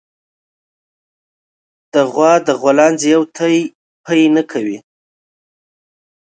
د غوا د غولانځې يو تی پئ نه کوي